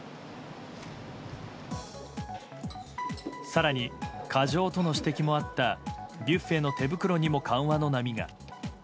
更に、過剰との指摘もあったビュッフェの手袋にも緩和の波が。